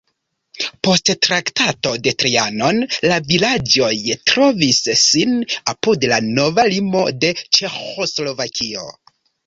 Post Traktato de Trianon la vilaĝoj trovis sin apud la nova limo de Ĉeĥoslovakio.